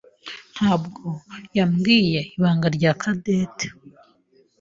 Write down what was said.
ntabwo yambwiye ibanga rya Cadette.